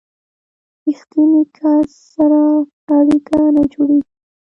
ریښتیني کس سره اړیکه نه جوړیږي.